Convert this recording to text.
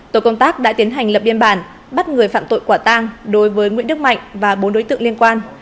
tổ công tác đã tiến hành lập biên bản bắt người phạm tội quả tang đối với nguyễn đức mạnh và bốn đối tượng liên quan